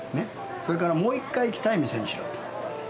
それからもう一回来たい店にしろと。